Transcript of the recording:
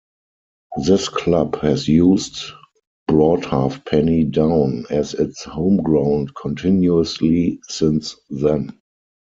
This club has used Broadhalfpenny Down as its home ground continuously since then.